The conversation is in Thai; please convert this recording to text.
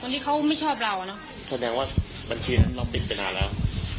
ที่เขาไม่ชอบเราเนอะแสดงว่าบัญชีนั้นเราปิดไปนานแล้ว